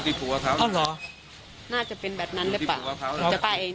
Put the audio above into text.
หรือจะป้ายเองหรือเปล่า